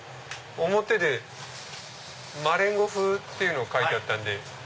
表でマレンゴ風って書いてあったんで。